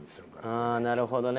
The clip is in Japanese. ああなるほどね。